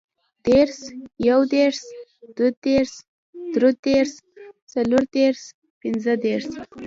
دېرس, یودېرس, دودېرس, درودېرس, څلوردېرس, پنځهدېرس